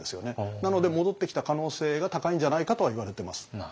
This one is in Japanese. なので戻ってきた可能性が高いんじゃないかとはいわれてます。